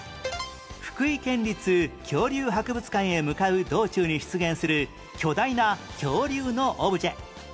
福井県立恐竜博物館へ向かう道中に出現する巨大な恐竜のオブジェ